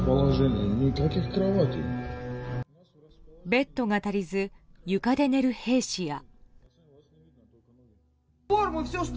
ベッドが足りず床で寝る兵士や。